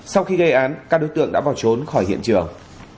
sau khi gây án các đối tượng đã bỏ trốn khỏi hiện trường